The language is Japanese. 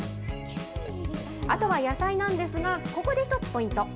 あとは野菜なんですが、ここで１つポイント。